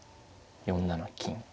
４七金。